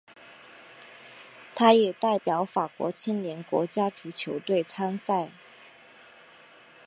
他也代表法国青年国家足球队参赛。